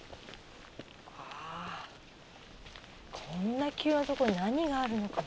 こんな急なところに何があるのか。